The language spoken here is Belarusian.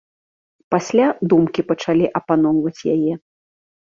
Пасля думкі пачалі апаноўваць яе.